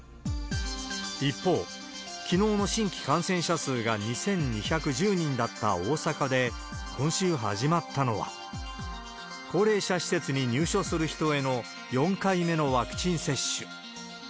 一方、きのうの新規感染者数が２２１０人だった大阪で、今週始まったのは、高齢者施設に入所する人への４回目のワクチン接種。